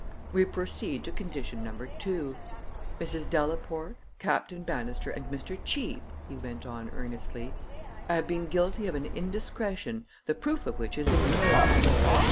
We proceed to condition number two. Mrs. Delaporte, Captain Bannister, and Mr. Cheape," he went on earnestly, "I have been guilty of an indiscretion the proof of which is in your hands.